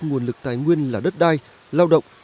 nguồn lực tài nguyên là đất đai lao động